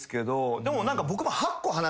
でも僕も。